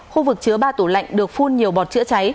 khu vực chứa ba tủ lạnh được phun nhiều bọt chữa cháy